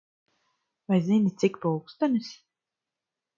Vai zini, cik pulkstenis?